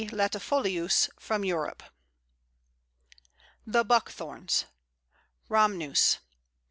latifolius_) from Europe. The Buckthorns (Rhamnus).